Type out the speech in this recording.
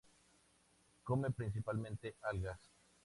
Come principalmente algas.